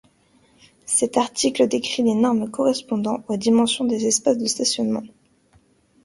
Cet article décrit les normes correspondant aux dimensions des espaces de stationnement.